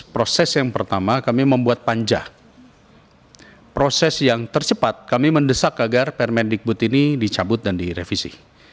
proses yang pertama kami membuat panja proses yang tercepat kami mendesak agar permendikbud ini dicabut dan direvisi